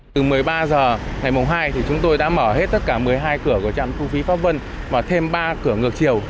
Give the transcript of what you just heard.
từ một mươi ba h ngày hai thì chúng tôi đã mở hết tất cả một mươi hai cửa của trạm thu phí pháp vân và thêm ba cửa ngược chiều